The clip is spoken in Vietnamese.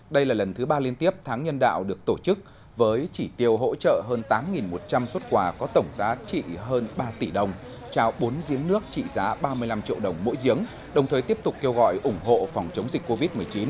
đây là lần thứ ba liên tiếp tháng nhân đạo được tổ chức với chỉ tiêu hỗ trợ hơn tám một trăm linh xuất quà có tổng giá trị hơn ba tỷ đồng trao bốn giếng nước trị giá ba mươi năm triệu đồng mỗi giếng đồng thời tiếp tục kêu gọi ủng hộ phòng chống dịch covid một mươi chín